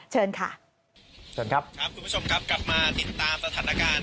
เชิญค่ะค่ะคุณผู้ชมครับกลับมาติดตามสถานการณ์